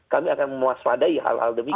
kami akan memuaspadai hal hal demikian